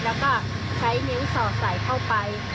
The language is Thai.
แล้วก็ใช้นิ้วสอดใส่เข้าไป